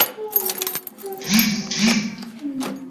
拓灰蝶属是灰蝶科眼灰蝶亚科中的一个属。